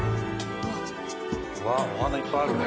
うわっお花いっぱいあるね。